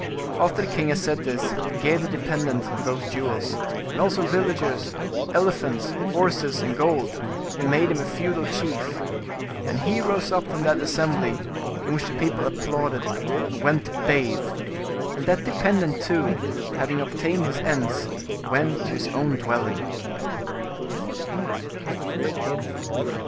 After the king had said this, he gave the dependent those jewels, and also villages, elephants, horses and gold, and made him a feudal chief. And he rose up from that as sembly, in which the people applauded, and went to bathe ; and that dependent too, having obtained his ends, went to his own dwelling.